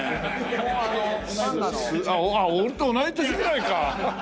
あっ俺と同い年くらいか！